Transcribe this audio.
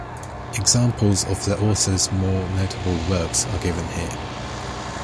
Examples of the author's more notable works are given here.